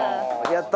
やった！